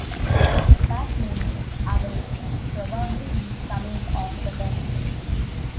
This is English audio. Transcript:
That means I'll probably be coming off the bench.